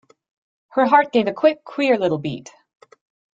Her heart gave a quick, queer little beat.